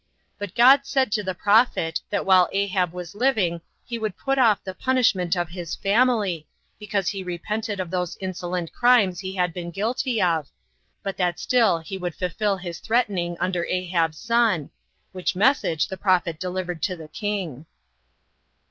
But God said to the prophet, that while Ahab was living he would put off the punishment of his family, because he repented of those insolent crimes he had been guilty of, but that still he would fulfill his threatening under Ahab's son; which message the prophet delivered to the king.